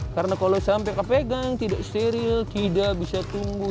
karena kalau sampai kepegang tidak steril tidak bisa tumbuh